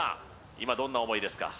今どんな思いですか？